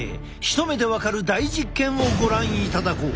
一目で分かる大実験をご覧いただこう。